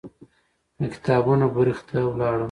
د کتابونو برخې ته لاړم.